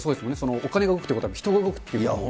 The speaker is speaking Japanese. お金が動くということは人が動くということ。